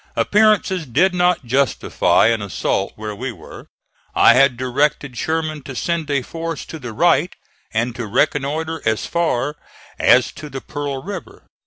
Appearances did not justify an assault where we were. I had directed Sherman to send a force to the right, and to reconnoitre as far as to the Pearl River.